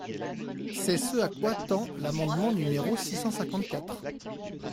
C’est ce à quoi tend l’amendement numéro six cent cinquante-quatre.